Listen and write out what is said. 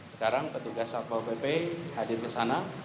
sekarang petugas satpol pp hadir ke sana